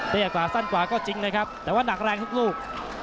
กว่าสั้นกว่าก็จริงนะครับแต่ว่าหนักแรงทุกลูก